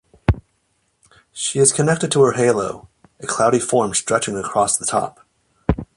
She is connected to her halo, a cloudy form stretching across the top.